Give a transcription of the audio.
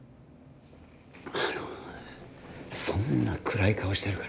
あのそんな暗い顔してるから